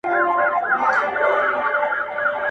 لمرینو وړانګو ته به نه ځلیږي!.